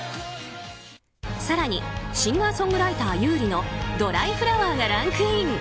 更にシンガーソングライター優里の「ドライフラワー」がランクイン。